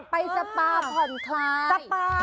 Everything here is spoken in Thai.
ไปสปาผ่อนคลายสปา